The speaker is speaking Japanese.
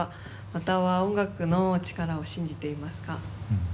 または音楽の力を信じていますか？